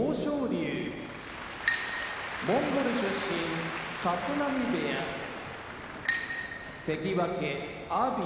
龍モンゴル出身立浪部屋関脇・阿炎